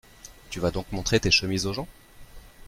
Tu vas donc montrer tes chemises aux gens ?